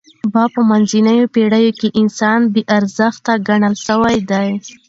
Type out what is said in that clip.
به منځنیو پېړیو کښي انسان بې ارزښته ګڼل سوی دئ.